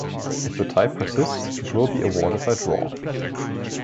If the tie persists, it will be awarded by draw.